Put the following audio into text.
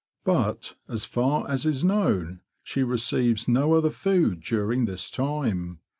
But, as far as is known, she receives no other food during this time.